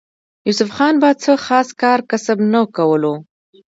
يوسف خان به څۀ خاص کار کسب نۀ کولو